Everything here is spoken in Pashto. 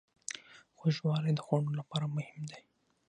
خوږوالی د خوړو لپاره مهم دی.